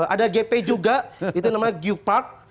ada gp juga itu namanya geopark